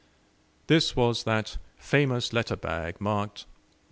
This was that famous letter bag marked "Nov.